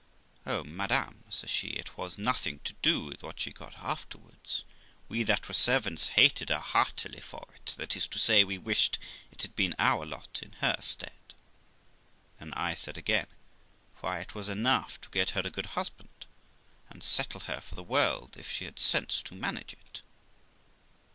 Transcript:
'O madam!', says she, 'It was nothing to what she got afterwards; we that were servants hated her heartily for it ; that is to say, we wished it had been our lot in her stead.' Then I said again, 'Why, it was enough to get her a good husband, and settle her for the world, if she had sense to manage it.'